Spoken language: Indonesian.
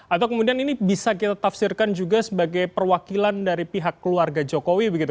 atau kemudian ini bisa kita tafsirkan juga sebagai perwakilan dari pihak keluarga jokowi begitu